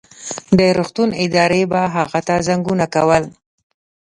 د روغتون ادارې به هغه ته زنګونه کول.